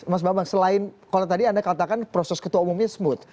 mas bambang selain kalau tadi anda katakan proses ketua umumnya smooth